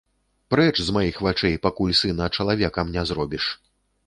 Прэч з маіх вачэй, пакуль сына чалавекам не зробіш.